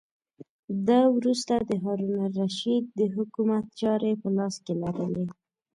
ده وروسته د هارون الرشید د حکومت چارې په لاس کې لرلې.